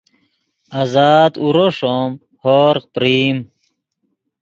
آزاد اورو ݰوم ہوروغ پرئیم